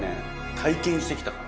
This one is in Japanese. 体験してきたから。